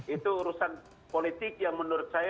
itu urusan politik yang menurut saya